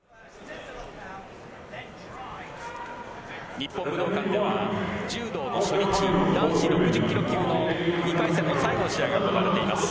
日本武道館では柔道の初日男子６０ｋｇ級の２回戦の最後の試合が行われています。